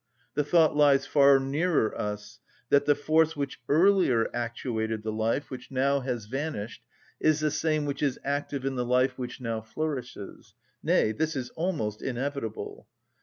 The thought lies far nearer us, that the force which earlier actuated the life which now has vanished is the same which is active in the life which now flourishes: nay, this is almost inevitable.